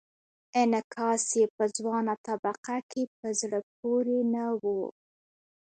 انعکاس یې په ځوانه طبقه کې په زړه پورې نه و.